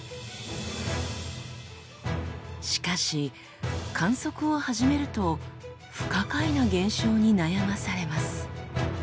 しかし観測を始めると不可解な現象に悩まされます。